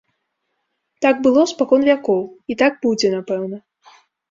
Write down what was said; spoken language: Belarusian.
Так было спакон вякоў, і так будзе, напэўна.